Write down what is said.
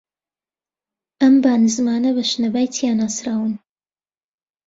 ئەم با نزمانە بە شنەبای چیا ناسراون